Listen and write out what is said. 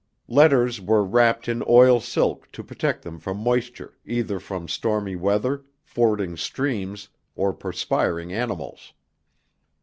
Letters were wrapped in oil silk to protect them from moisture, either from stormy weather, fording streams, or perspiring animals.